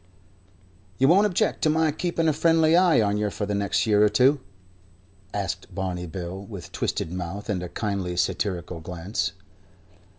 "You won't object to my keeping a friendly eye on yer for the next year or two?" asked Barney Bill, with twisted mouth and a kindly, satirical glance.